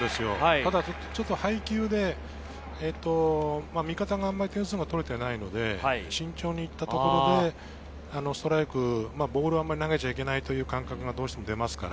ただちょっと配球で味方があまり点が取れていないので慎重にいったところで、ストライクボールをあんまり投げちゃいけないという感覚がどうしても出ますから。